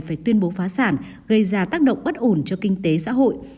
phải tuyên bố phá sản gây ra tác động bất ổn cho kinh tế xã hội